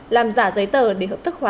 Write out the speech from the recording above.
làm giả giấy tờ để hợp thức hóa